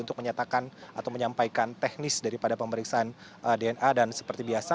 untuk menyatakan atau menyampaikan teknis daripada pemeriksaan dna dan seperti biasa